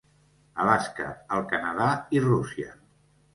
Alaska, el Canadà i Rússia.